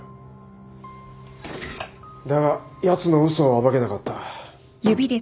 だがやつの嘘を暴けなかった。